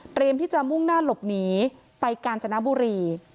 ที่จะมุ่งหน้าหลบหนีไปกาญจนบุรี